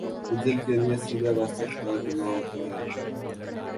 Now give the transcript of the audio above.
منزل کے لیے سیدھا راستہ اختیار کرتا ہوں